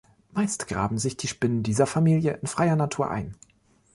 Meist graben sich die Spinnen dieser Familie in freier Natur ein.